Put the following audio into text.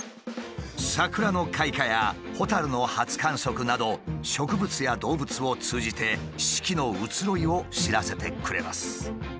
サクラの開花やホタルの初観測など植物や動物を通じて四季の移ろいを知らせてくれます。